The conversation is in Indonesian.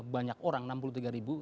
banyak orang enam puluh tiga ribu